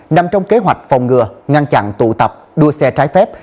nằm trong kế hoạch phòng ngừa ngăn chặn tụ tập đua xe trái phép